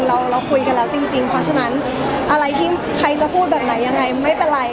เราคุยกันแล้วจริงเพราะฉะนั้นอะไรที่ใครจะพูดแบบไหนยังไงไม่เป็นไร